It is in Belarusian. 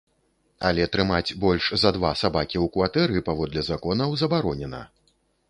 Але трымаць больш за два сабакі ў кватэры, паводле законаў, забаронена.